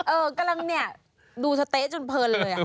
กำลังเนี่ยดูสะเต๊ะจนเพลินเลย